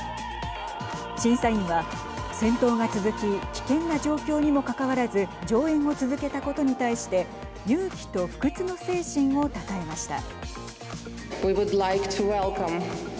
審査員は、戦闘が続き危険な状況にもかかわらず上演を続けたことに対して勇気と不屈の精神をたたえました。